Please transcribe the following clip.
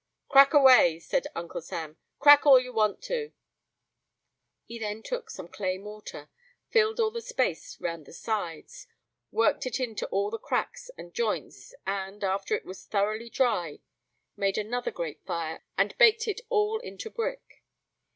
"Crack away," said Uncle Sam; "crack all you want to." He then took some clay mortar, filled all the space round the sides, worked it into all the cracks and joints, and, after it was thoroughly dry, made another great fire, and baked it all into brick.